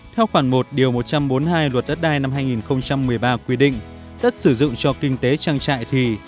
theo khoản một một trăm bốn mươi hai luật đất đai năm hai nghìn một mươi ba quy định đất sử dụng cho kinh tế trang trại thì